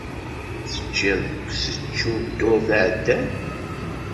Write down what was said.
Teččiḍ deg usečču ddurt iɛeddan?